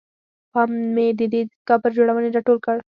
پام مې ددې دستګاه پر جوړونې راټول کړ.